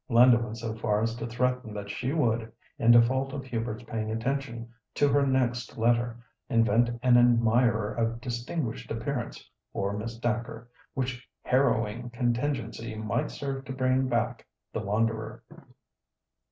Linda went so far as to threaten that she would, in default of Hubert's paying attention to her next letter, invent an admirer of distinguished appearance for Miss Dacre, which harrowing contingency might serve to bring back the wanderer.